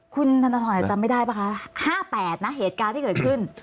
คุณธนทรจำไม่ได้ป่ะคะ๕๘นะเหตุการณ์ที่เกิดขึ้น